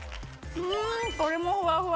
うんこれもふわふわ。